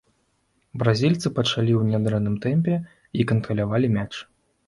Бразільцы пачалі ў нядрэнным тэмпе і кантралявалі мяч.